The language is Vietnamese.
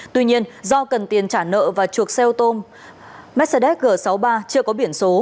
tuy nhiên do cần tiền trả nợ và chuộc xe ô tô mercedes g sáu mươi ba chưa có biển số